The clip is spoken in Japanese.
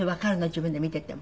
自分で見ていても。